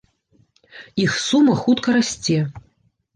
Іх сума хутка расце.